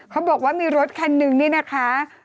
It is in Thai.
เขาบอกว่ามีรถคันนึงนี่นะคะ